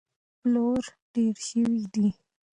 پلور ډېر شوی دی.